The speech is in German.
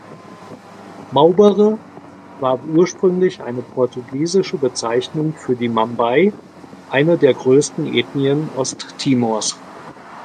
Maubere war ursprünglich eine portugiesische Bezeichnung für die Mambai, eine der größten Ethnien Osttimors.